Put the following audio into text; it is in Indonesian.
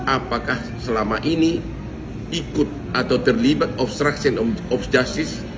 apakah selama ini ikut atau terlibat obstruction of justice